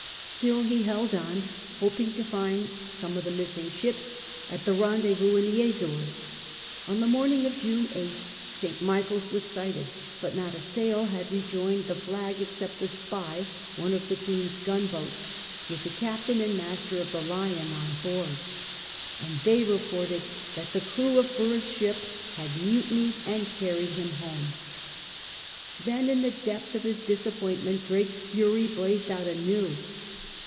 Still he held on, hoping to find some of the missing ships at the rendezvous in the Azores. On the morning of June 8th St. Michael's was sighted, but not a sail had rejoined the flag except the Spy^ one of the Queen's gunboats, with the captain and master of the Lion on board, and they reported that the crew of Borough's ship had mutinied and carried him home. Then in the depth of his disappointment Drake's fury blazed out anew.